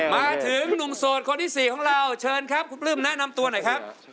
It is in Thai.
มาถึงหนุ่มโสดคนที่๔ของเราเชิญครับคุณปลื้มแนะนำตัวหน่อยครับ